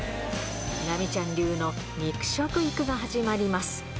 ラミちゃん流の肉食育が始まります。